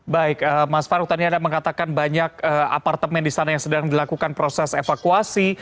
baik mas farouk tadi anda mengatakan banyak apartemen di sana yang sedang dilakukan proses evakuasi